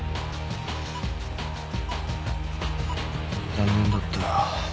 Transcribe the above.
「残念だったよ。